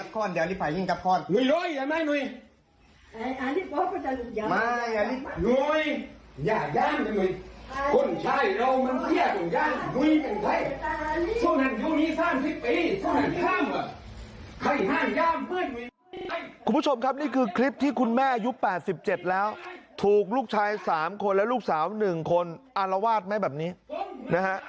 คุณผู้ชมครับนี่คือคลิปที่คุณแม่อายุ๘๗แล้วถูกลูกชาย๓คนและลูกสาว๑คนอารวาสไหมแบบนี้นะฮะ